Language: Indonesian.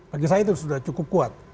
bagi saya itu sudah cukup kuat